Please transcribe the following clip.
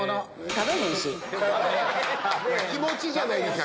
気持ちじゃないですか。